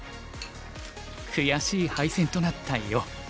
悔しい敗戦となった余。